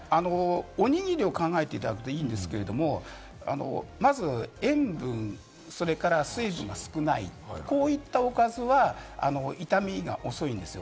おにぎりを考えていただくといいんですけれど、まず塩分、それから水分が少ない、こういったおかずは傷みが遅いんですよ。